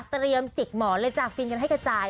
จิกหมอนเลยจ้ะฟินกันให้กระจาย